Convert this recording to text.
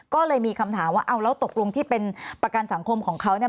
ก็เลยมีคำถามว่าเอาแล้วตกลงที่เป็นประกันสังคมของเขาเนี่ย